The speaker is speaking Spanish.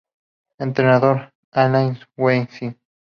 Entrenador: Alain Weisz